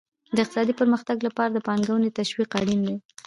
د اقتصادي پرمختګ لپاره د پانګونې تشویق اړین دی.